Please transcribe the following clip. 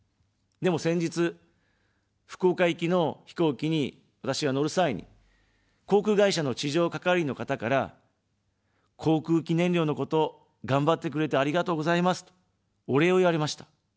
でも、先日、福岡行きの飛行機に私が乗る際に、航空会社の地上係員の方から、航空機燃料のことがんばってくれてありがとうございますと、お礼を言われました。